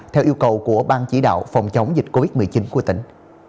theo yêu cầu của ban chỉ đạo phòng chống dịch covid một mươi chín của tỉnh